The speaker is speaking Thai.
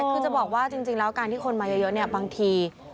คือจะบอกว่าจริงแล้วการที่คนมาเยอะเนี่ยบางที